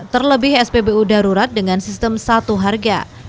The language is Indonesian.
terlebih spbu darurat dengan sistem satu harga